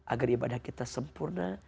agar ibadah kita sempurna